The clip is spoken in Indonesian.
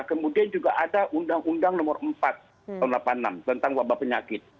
kemudian juga ada undang undang nomor empat tahun seribu sembilan ratus delapan puluh enam tentang wabah penyakit